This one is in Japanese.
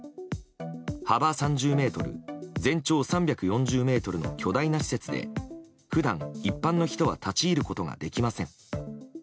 幅３０ｍ全長３４０ｍの巨大な施設で普段、一般の人は立ち入ることができません。